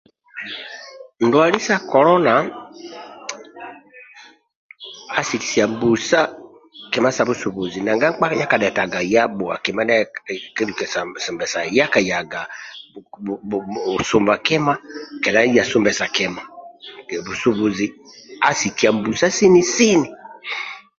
Ndwali sa kolona asikisia mbusa kima sa busubuzi nanga nkpa yakadhetagage yakayage bhuwa kima sa busubuzi sumba kima kedha sumbesa kima busubuzi asikia mbusa sini sini